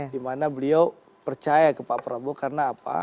dimana beliau percaya ke pak prabowo karena apa